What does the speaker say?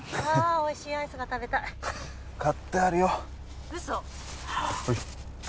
おいしいアイスが食べたい買ってあるよ嘘ほい